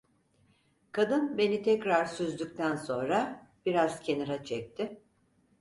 Kadın beni tekrar süzdükten sonra, biraz kenara çekti: